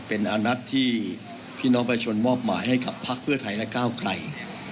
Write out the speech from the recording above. เป็นอันนัดที่พี่น้องประชนมอบหมายให้กับพักเพื่อไทยและก้าวไกล